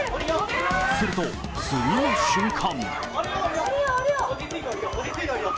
すると、次の瞬間。